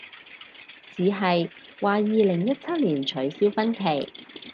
似係，話二零一七年取消婚期